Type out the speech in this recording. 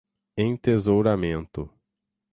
Entesouramento